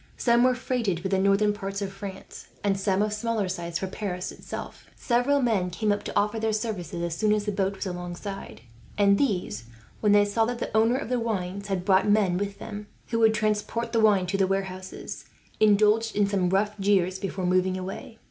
Some were freighted for the northern ports of France, and some, of smaller size, for Paris itself. Several men came up to offer their services, as soon as the boat was alongside; and these, when they saw that the owner of the wines had brought men with them, who would transport the wine to the warehouses, indulged in some rough jeers before moving away.